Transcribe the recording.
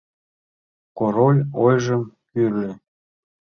— Король ойжым кӱрльӧ.